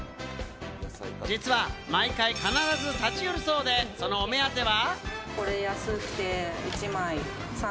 実は毎回必ず立ち寄るそうで、そのお目当ては。